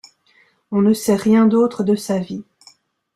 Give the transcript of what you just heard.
On ne sait rien d'autre de sa vie.